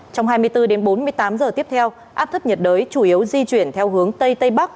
trong hai mươi bốn đến bốn mươi tám giờ tiếp theo áp thấp nhiệt đới chủ yếu di chuyển theo hướng tây tây bắc